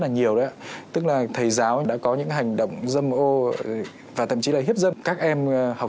rất là nhiều đấy tức là thầy giáo đã có những hành động dâm ô và thậm chí là hiếp dâm các em học